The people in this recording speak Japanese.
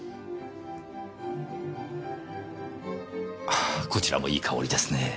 ああこちらもいい香りですねぇ。